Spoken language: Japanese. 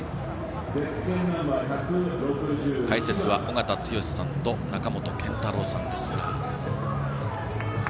解説は尾方剛さんと中本健太郎さんです。